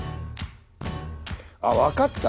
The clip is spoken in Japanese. あっわかった！